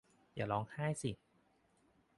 อย่าร้องไห้สิ